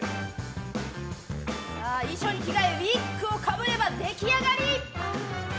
衣装に着替えてウィッグをかぶれば出来上がり。